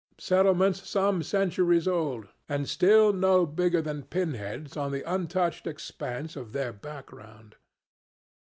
Settlements some centuries old, and still no bigger than pin heads on the untouched expanse of their background.